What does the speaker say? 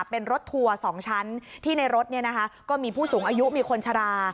เป็นรถทัวร์๒ชั้นที่ในรถก็มีผู้สูงอายุมีคนชรา